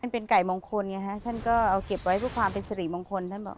เป็นไก่มงคลฉันก็เอาเก็บไว้เพื่อความเป็นสิริมงคล